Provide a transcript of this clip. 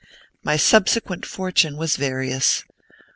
My subsequent fortune was various.